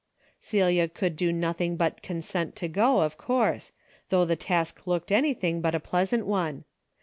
Celia could do nothing but consent to go, of course, though the task looked anything but a pleasant one.